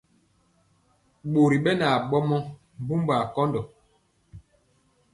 Ɓori ɓɛ na ɓomɔ mbumbaa kɔndɔ.